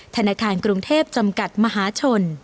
ธนาคารกรุงเทพจำกัดมหาชน